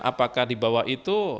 apakah di bawah itu